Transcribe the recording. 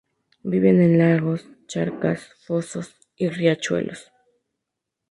Vive en lagos, charcas, fosos y riachuelos.